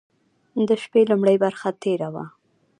د شپې لومړۍ برخه تېره وه.